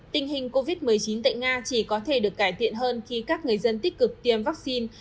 tình hình covid một mươi chín tại nga chỉ có thể được cải thiện hơn khi các người dân tích cực tiêm vaccine